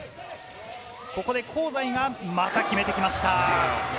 ここで香西がまた決めてきました。